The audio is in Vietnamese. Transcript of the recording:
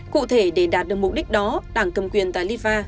cụ thể để đạt được mục đích đó đảng cầm quyền taliban